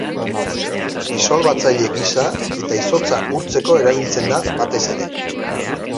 Disolbatzaile gisa eta izotza urtzeko erabiltzen da batez ere.